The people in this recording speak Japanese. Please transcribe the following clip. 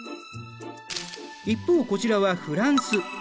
一方こちらはフランス。